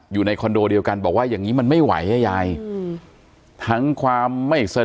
อยู่ในคอนโดเดียวกันบอกว่าอย่างนี้มันไม่ไหวอ่ะยายอืมทั้งความไม่สงบ